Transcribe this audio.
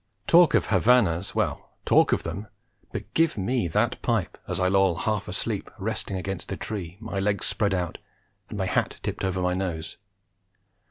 Talk of Havanas! Well, talk of them, but give me that pipe as I loll, half asleep, resting against the tree, my legs spread out, and my hat tipped over my nose.